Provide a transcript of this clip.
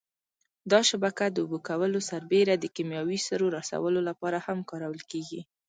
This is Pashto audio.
دا شبکه د اوبه کولو سربېره د کېمیاوي سرو رسولو لپاره هم کارول کېږي.